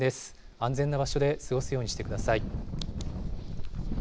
安全な場所で過ごすようにしてください。